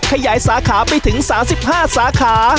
ขยายสาขาไปถึง๓๕สาขา